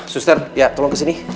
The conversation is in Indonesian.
suster ya tolong kesini